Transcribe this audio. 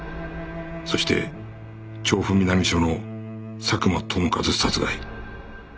そして調布南署の佐久間友和殺害